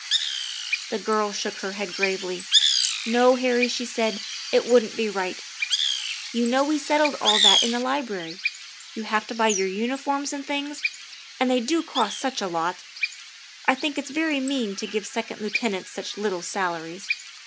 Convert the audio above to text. The girl shook her head gravely. " No, Harry," she said, " it wouldn't be right. You know we settled all that in the Library. You have to buy your uniforms and things, and they do cost such a lot. I think it's very mean to give second lieutenants such little salaries.